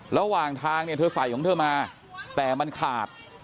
ระหว่างทางเนี่ยเธอใส่ของเธอมาแต่มันขาด